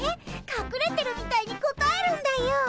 かくれてるみたいに答えるんだよ。